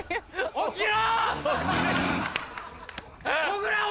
起きろ！